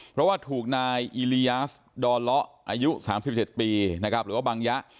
เพราะว่าถูกนายอีลีย้าสดอนละอายุ๓๗ปีหรือว่าบางยะ